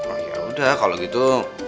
oh ya udah kalau gitu